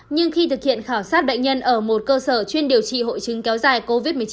nhưng khi thực hiện khảo sát bệnh nhân ở một cơ sở chuyên điều trị hội chứng kéo dài covid một mươi chín